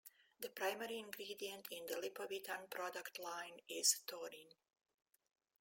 The primary ingredient in the Lipovitan product line is taurine.